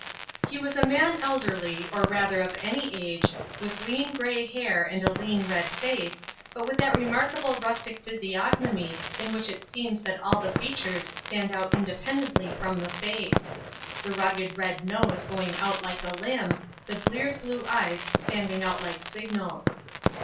He was a man elderly or rather of any age, with lean grey hair and a lean red face, but with that remarkable rustic physiognomy in which it seems that all the features stand out independently from the face; the rugged red nose going out like a limb; the bleared blue eyes standing out like signals.